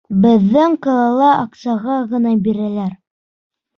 Беҙҙең ҡалала аҡсаға ғына бирәләр.